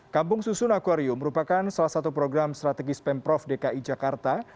kampung susun akwarium merupakan salah satu program strategis pemprov dki jakarta